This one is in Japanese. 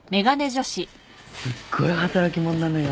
すっごい働き者なのよ。